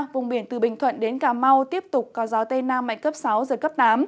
vùng biển từ bình thuận đến cà mau tiếp tục có gió tây nam mạnh cấp sáu giật cấp tám